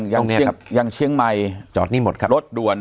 อย่างเชียงใหม่รถด่วน